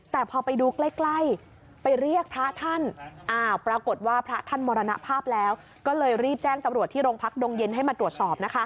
แต่พอไปดูใกล้ไปเรียกพระท่านปรากฏว่าพระท่านมรณภาพแล้วก็เลยรีบแจ้งตำรวจที่โรงพักดงเย็นให้มาตรวจสอบ